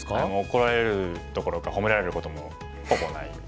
怒られるどころか褒められることもほぼない。